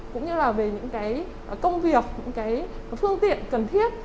cũng như là về những công việc những phương tiện cần thiết